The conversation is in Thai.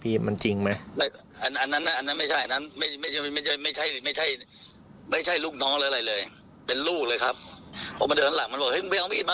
พี่ก็ต่อยพ่อผม